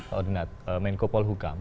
ordinat kemenkom paul hukam